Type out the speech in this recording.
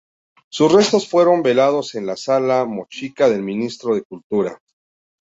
Sus restos fueron velados en la sala Mochica del Ministerio de Cultura.